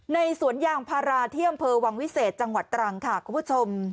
สวนยางพาราที่อำเภอวังวิเศษจังหวัดตรังค่ะคุณผู้ชม